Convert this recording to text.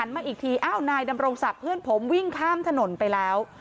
มาอีกทีอ้าวนายดำรงศักดิ์เพื่อนผมวิ่งข้ามถนนไปแล้ว